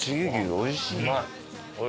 おいしい。